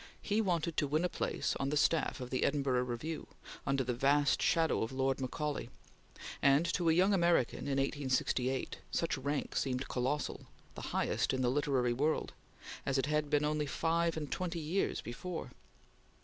He wanted to win a place on the staff of the Edinburgh Review, under the vast shadow of Lord Macaulay; and, to a young American in 1868, such rank seemed colossal the highest in the literary world as it had been only five and twenty years before.